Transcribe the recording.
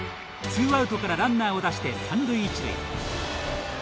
ツーアウトからランナーを出して三塁一塁。